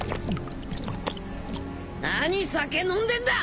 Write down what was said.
何酒飲んでんだ！